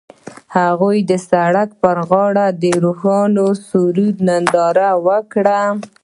هغوی د سړک پر غاړه د روښانه سرود ننداره وکړه.